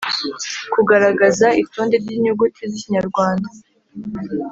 -kugaragaza -itonde ry’inyuguti z’ikinyarwanda;